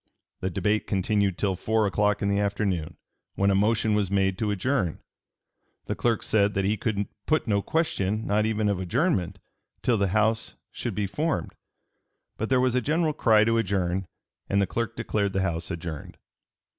The debate continued till four o'clock in the afternoon, when a motion was made to adjourn. The clerk said that he could put no question, not even of adjournment, till the House should be formed. But there was a general cry to adjourn, and the clerk declared the House adjourned.